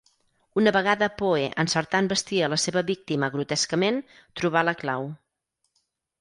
Una vegada Poe encertà en vestir a la seva víctima grotescament, trobà la clau.